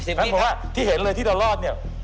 หมายถึงว่าที่เห็นเลยที่เรารอด